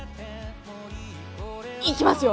いきますよ。